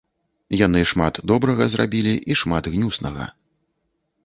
Яны шмат добрага зрабілі і шмат гнюснага.